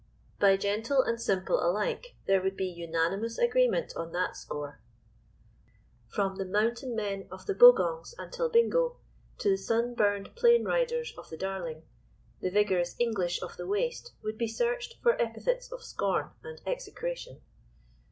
By gentle and simple alike there would be unanimous agreement on that score. From the "mountain men" of the Bogongs and Talbingo, to the sun burned plain riders of the Darling, the vigorous English of the Waste would be searched for epithets of scorn and execration.